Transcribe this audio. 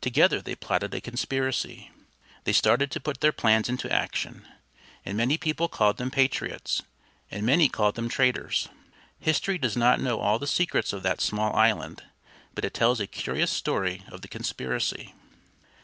Together they plotted a conspiracy. They started to put their plans into action, and many people called them patriots, and many called them traitors. History does not know all the secrets of that small island, but it tells a curious story of the conspiracy.